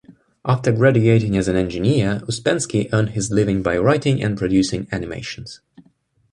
After graduating as an engineer, Uspensky earned his living by writing and producing animations.